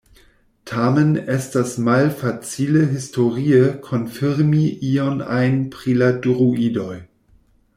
Tamen estas malfacile historie konfirmi ion ajn pri la Druidoj.